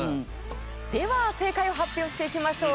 では正解を発表していきましょう。